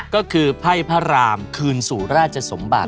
ก็คือไพ่พระรามคืนสู่ราชสมบัติ